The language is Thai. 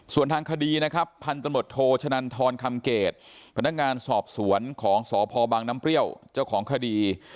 ส่วนทางคดีนะครับพันธมตโทชะนันทรคำเกตพนักงานสอบสวนของสพบังน้ำเปรี้ยวเจ้าของคดี